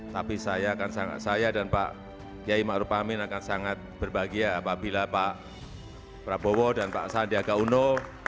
tapi saya dan pak jokowi akan sangat berbahagia apabila pak prabowo dan pak sandiaga uno